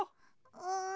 うん。